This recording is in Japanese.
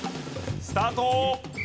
スタート！